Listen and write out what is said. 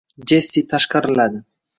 Jessi tashqariladi